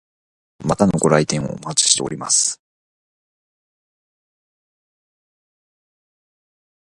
またのご来店をお待ちしております。